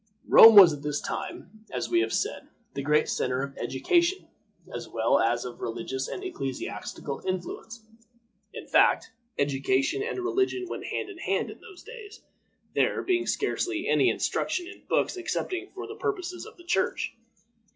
Rome was at this time, as we have said, the great center of education, as well as of religious and ecclesiastical influence. In fact, education and religion went hand in hand in those days, there being scarcely any instruction in books excepting for the purposes of the Church.